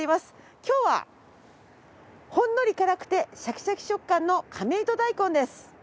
今日はほんのり辛くてシャキシャキ食感の亀戸ダイコンです。